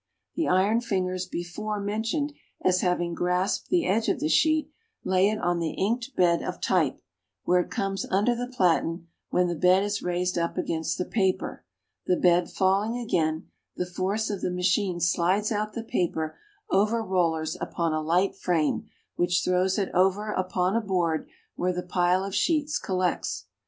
The iron fingers before mentioned as having grasped the edge of the sheet, lay it on the inked bed of type, where it comes under the platen, when the bed is raised up against the paper; the bed falling again, the force of the machine slides out the paper over rollers upon a light frame, which throws it over upon a board where the pile of sheets collects.